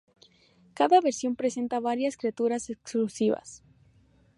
Cada versión presenta varias criaturas exclusivas.